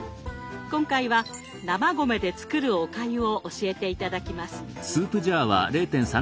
今回は「生米で作るおかゆ」を教えて頂きます。